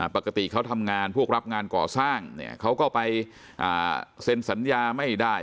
ปกติเขาทำงานพวกรับงานก่อสร้างเนี่ยเขาก็ไปเซ็นสัญญาไม่ได้